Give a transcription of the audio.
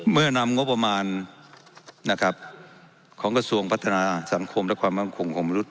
นำงบประมาณนะครับของกระทรวงพัฒนาสังคมและความมั่นคงของมนุษย